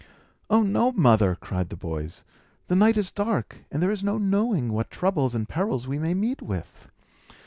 "Oh no, mother!" cried the boys. "The night is dark, and there is no knowing what troubles and perils we may meet with."